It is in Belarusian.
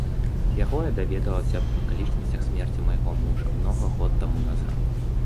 З яго я даведалася аб акалічнасцях смерці майго мужа многа год таму назад.